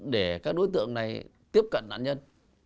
để các đối tượng này tiếp cận đạn nhân